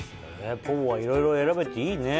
ｐｏｖｏはいろいろ選べていいねぇ！